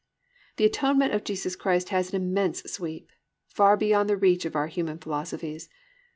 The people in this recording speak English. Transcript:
The atonement of Jesus Christ has an immense sweep—far beyond the reach of our human philosophies.